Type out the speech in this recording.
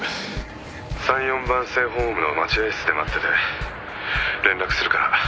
「３４番線ホームの待合室で待ってて」「連絡するから」